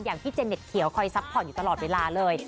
พี่เจเน็ตเขียวคอยซัพพอร์ตอยู่ตลอดเวลาเลย